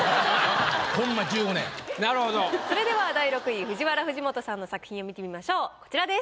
それでは第６位ＦＵＪＩＷＡＲＡ・藤本さんの作品を見てみましょうこちらです。